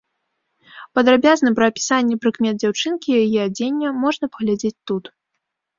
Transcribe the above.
Падрабязна пра апісанне прыкмет дзяўчынкі, яе адзення можна паглядзець тут.